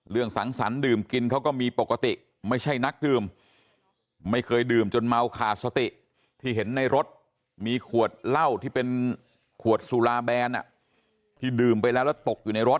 สังสรรค์ดื่มกินเขาก็มีปกติไม่ใช่นักดื่มไม่เคยดื่มจนเมาขาดสติที่เห็นในรถมีขวดเหล้าที่เป็นขวดสุราแบนที่ดื่มไปแล้วแล้วตกอยู่ในรถ